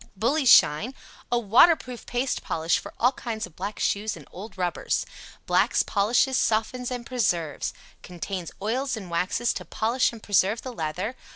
"BULLY SHINE." A waterproof paste polish for all kinds of black shoes and old rubbers. Blacks, polishes, softens and preserves. Contains oils and waxes to polish and preserve the leather.